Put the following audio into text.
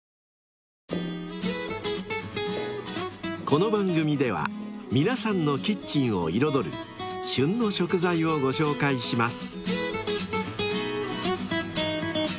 ［この番組では皆さんのキッチンを彩る「旬の食材」をご紹介します］